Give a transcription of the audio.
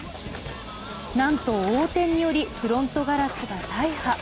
何と横転によりフロントガラスが大破。